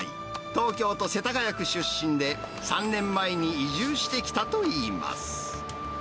東京都世田谷区出身で、３年前に移住してきたといいます。